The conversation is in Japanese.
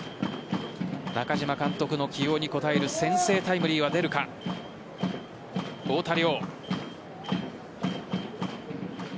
中嶋監督の起用に応える先制タイムリーは出るか太田椋。